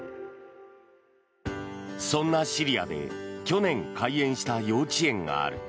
そんなシリアで去年開園した幼稚園がある。